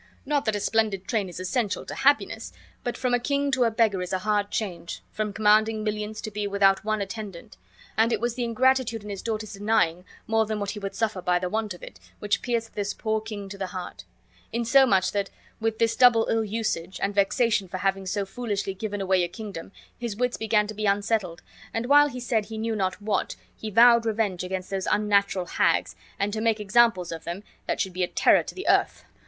Not that a splendid train is essential to happiness, but from a king to a beggar is a hard change, from commanding millions to be without one attendant; and it was the ingratitude in his daughters' denying more than what he would suffer by the want of it, which pierced this poor king to the heart; in so much that, with this double ill usage, and vexation for having so foolishly given away a kingdom, his wits began to be unsettled, and while he said he knew not what, he vowed revenge against those unnatural hags and to make examples of them that should be a terror to the earth!